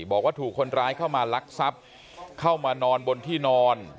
บอกว่าถูกคนร้ายเข้ามาลักทรัพย์เข้ามานอนบนที่นอน